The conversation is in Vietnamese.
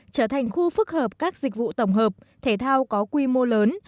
trở thành khu phức hợp các dịch vụ tổng hợp thể thao có quy mô lớn